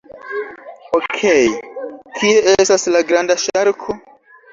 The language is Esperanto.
Okej, kie estas la granda ŝarko?